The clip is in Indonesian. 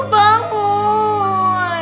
sampai ketemu lagi